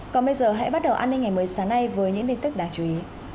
còn bây giờ hãy bắt đầu an ninh ngày mới sáng nay với những tin tức đáng chú ý